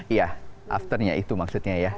iya afternya itu maksudnya ya